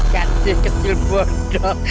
ganti kecil bodoh